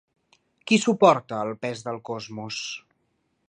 Qui suporta el pes del cosmos?